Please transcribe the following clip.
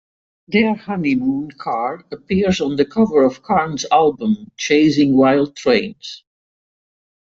Their "honeymoon" car appears on the cover of Carnes' album, "Chasin' Wild Trains".